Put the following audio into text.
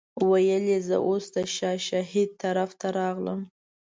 ویل یې زه اوس د شاه شهید طرف ته راغلم.